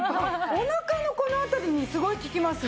おなかのこの辺りにすごい効きますね。